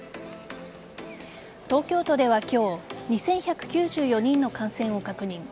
東京都では今日、２１９４人の感染を確認。